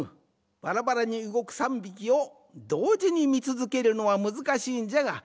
バラバラにうごく３びきをどうじにみつづけるのはむずかしいんじゃがわ